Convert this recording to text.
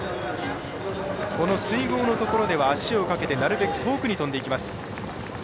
この水濠のところでは足をかけてなるべく遠くに跳んでいきます。